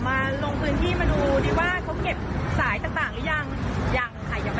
ยังแต่ยังไม่ได้เก็บใดใดเลยเหมือนเดิมเลยนะคะ